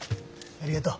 ありがとう。